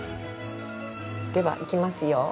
では行きますよ。